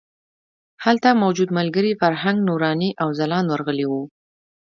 هلته موجود ملګري فرهنګ، نوراني او ځلاند ورغلي وو.